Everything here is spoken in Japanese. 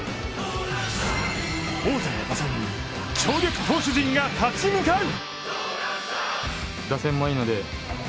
王者の打線に強力投手陣が立ち向かう！